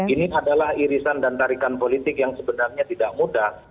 ini adalah irisan dan tarikan politik yang sebenarnya tidak mudah